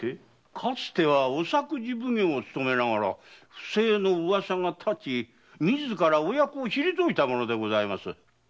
かつては御作事奉行を勤めながら不正の噂がたち自らお役を退いた者です。